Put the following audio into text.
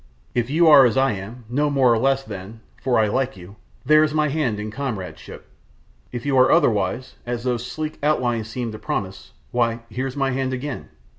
If you are as I am, no more nor less then for I like you there's my hand in comradeship. If you are otherwise, as those sleek outlines seem to promise why, here's my hand again!